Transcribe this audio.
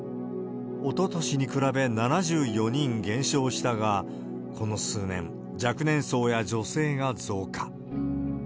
おととしに比べ７４人減少したが、この数年、若年層や女性が増加。